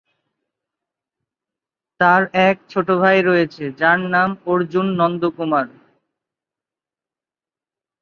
তাঁর এক ছোট ভাই রয়েছে; যার নাম অর্জুন নন্দকুমার।